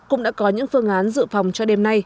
cũng đã có những phương án dự phòng cho đêm nay